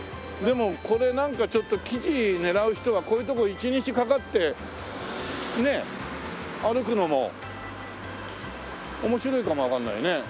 でもこれなんかちょっと生地狙う人はこういうとこ一日かかってね歩くのも面白いかもわかんないね。